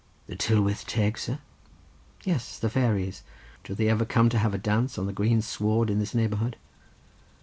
"The Tylwyth Teg, sir?" "Yes; the fairies. Do they never come to have a dance on the green sward in this neighbourhood?"